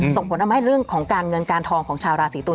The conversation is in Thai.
ส่งผลทำให้เรื่องของการเงินการทองของชาวราศีตุล